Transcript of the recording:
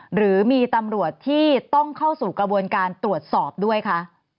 หรือมีตำรวจที่ต้องเข้าสู่กระบวนการตรวจสอบด้วยคะ